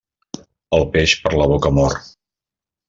El peix, per la boca mor.